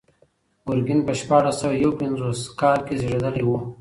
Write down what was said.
ګورګین په شپاړس سوه یو پنځوس کال کې زېږېدلی و.